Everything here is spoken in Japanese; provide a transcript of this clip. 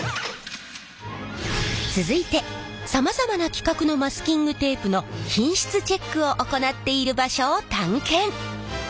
続いてさまざまな規格のマスキングテープの品質チェックを行っている場所を探検！